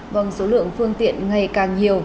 vâng số lượng phương tiện ngày càng nhiều